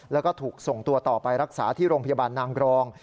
แล้วก็ถูกส่งตัวต่อไปรักษาที่โรงพยาบาลนางกรอง